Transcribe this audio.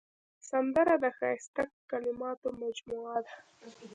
سندره د ښایسته کلماتو مجموعه ده